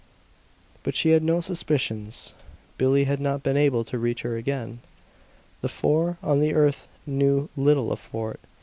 But she had no suspicions. Billie had not been able to reach her again. The four on the earth knew little of Fort.